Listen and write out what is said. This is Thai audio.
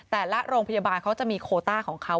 แต่ละโรงพยาบาลเขาจะมีโคต้าของเขา